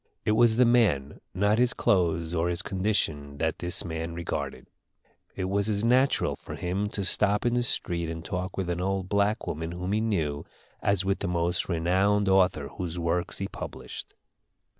It was the man, not his clothes or his condition, that this man regarded. It was as natural for him to stop in the street and talk with an old black woman whom he knew as with the most renowned author whose works he published.